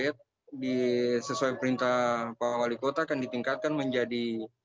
terima kasih serdi